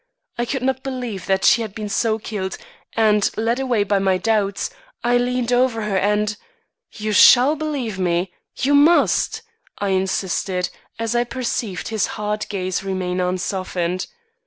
I could not believe that she had been so killed and, led away by my doubts, I leaned over her and You shall believe me, you must," I insisted, as I perceived his hard gaze remain unsoftened.